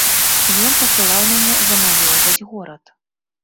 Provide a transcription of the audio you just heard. Ён пасылаў мяне замалёўваць горад.